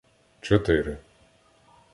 Чотири